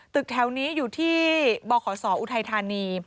ตึกแถวนี้อยู่ที่บขศอุทัยธานี